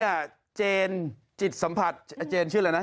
อันนี้เจนจิตสัมผัสเจนชื่ออะไรนะ